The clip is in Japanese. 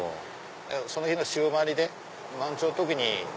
その日の潮まわりで満潮の時に。